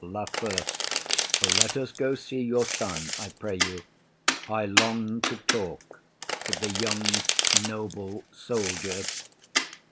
LAFEW. Let us go see your son, I pray you. I long to talk with the young noble soldier.